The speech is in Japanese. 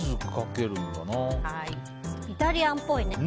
イタリアンっぽいね。